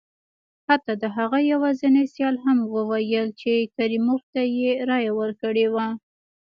حتی د هغه یوازیني سیال هم وویل چې کریموف ته یې رایه ورکړې وه.